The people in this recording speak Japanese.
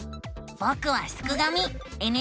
ぼくはすくがミ。